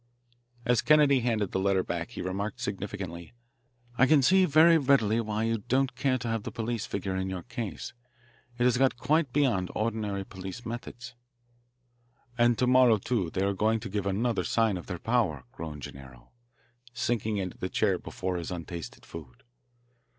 As Kennedy handed the letter back, he remarked significantly: "I can see very readily why you don't care to have the police figure in your case. It has got quite beyond ordinary police methods." "And to morrow, too, they are going to give another sign of their power," groaned Gennaro, sinking into the chair before his untasted food.